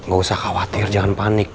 gak usah khawatir jangan panik